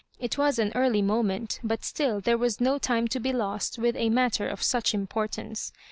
It was an early moment l>n^ still there was no time to be lost with a matter of such importance.